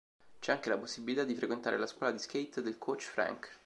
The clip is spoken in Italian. C'è anche la possibilità di frequentare la scuola di skate del Coach Frank.